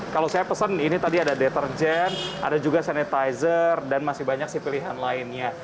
kalau saya pesan ini tadi ada deterjen ada juga sanitizer dan masih banyak sih pilihan lainnya